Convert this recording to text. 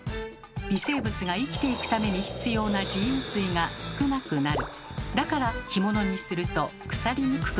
微生物が生きていくために必要な自由水が少なくなる。